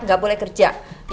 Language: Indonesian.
enggak boleh kerja